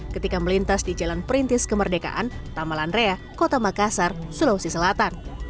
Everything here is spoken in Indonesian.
ketika melintas di jalan perintis kemerdekaan tamalan rea kota makassar sulawesi selatan